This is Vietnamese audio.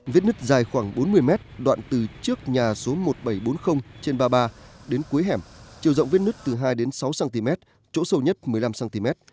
vết nứt dài khoảng bốn mươi m đoạn từ trước nhà số một nghìn bảy trăm bốn mươi trên ba mươi ba đến cuối hẻm chiều rộng vết nứt từ hai đến sáu cm chỗ sâu nhất một mươi năm cm